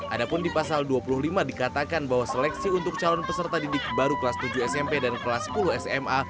adapun di pasal dua puluh lima dikatakan bahwa seleksi untuk calon peserta didik baru kelas tujuh smp dan kelas sepuluh sma